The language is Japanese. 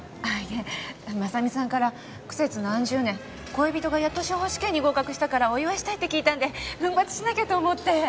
あいえ真実さんから苦節何十年恋人がやっと司法試験に合格したからお祝いしたいって聞いたんで奮発しなきゃと思って。